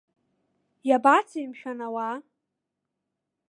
Иабацеи, мшәан, ауаа?!